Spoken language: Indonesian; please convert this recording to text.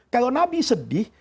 kalau nabi sedih